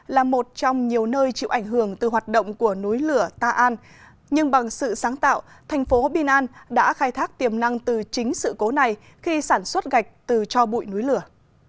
là một trong nhiều nơi chịu ảnh hưởng từ hoạt động của núi lửa ta an nhưng bằng sự sáng tạo thành phố binan đã khai thác tiềm năng từ chính sự cố này khi sản xuất gạch từ cho bụi núi lửa